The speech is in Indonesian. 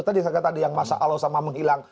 tadi saya kata tadi yang masa allah sama menghilang